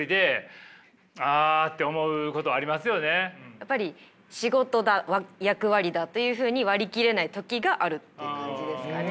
やっぱり仕事だ役割だというふうに割り切れない時があるっていう感じですかね。